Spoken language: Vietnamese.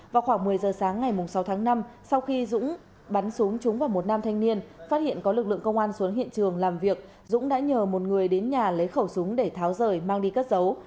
vào khoảng một mươi giờ sáng ngày sáu tháng năm sau khi dũng bắn súng trúng vào một nam thanh niên phát hiện có lực lượng công an xuống hiện trường làm việc dũng đã nhờ một người đến nhà lấy khẩu súng để tháo rời mang đi cất giấu